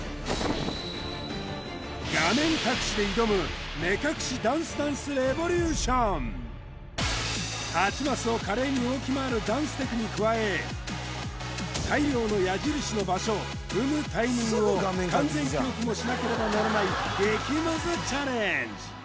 画面隠しで挑む目隠しダンスダンスレボリューション８マスを華麗に動き回るダンステクに加え大量の矢印の場所踏むタイミングを完全記憶もしなければならない激ムズチャレンジ